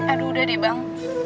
aduh udah deh bang